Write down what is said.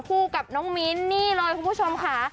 กับน้องมิ้นนี่เลยคุณผู้ชมค่ะ